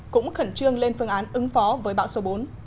cũng khẩn trương lên phương án ứng phó với bão số bốn